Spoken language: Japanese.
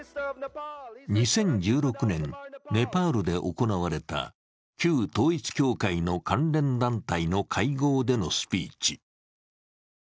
２０１６年、ネパールで行われた旧統一教会の関連団体の会合でのスピーチ。